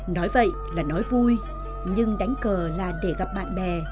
nói vậy là nói vui nhưng đánh cờ là để gặp bạn bè